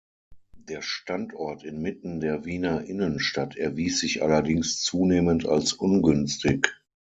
Der Standort inmitten der Wiener Innenstadt erwies sich allerdings zunehmend als ungünstig.